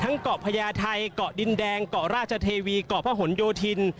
เกาะพญาไทยเกาะดินแดงเกาะราชเทวีเกาะพระหลโยธิน